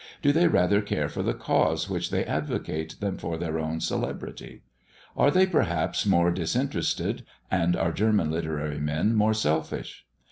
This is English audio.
Do they rather care for the cause which they advocate than for their own celebrity? Are they perhaps more disinterested, and our German literary men more selfish?